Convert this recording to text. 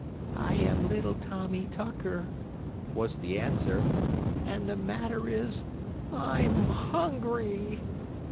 "I am Little Tommie Tucker," was the answer. "And the matter is I'm hungry."